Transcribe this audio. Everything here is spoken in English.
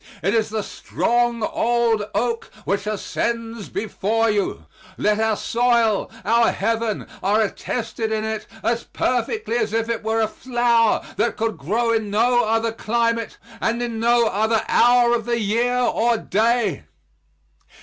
It is the strong old oak which ascends before you; yet our soil, our heaven, are attested in it as perfectly as if it were a flower that could grow in no other climate and in no other hour of the year or day.